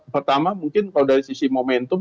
pertama mungkin kalau dari sisi momentum